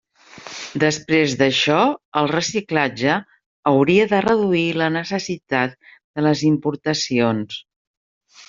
Després d'això, el reciclatge hauria de reduir la necessitat de les importacions.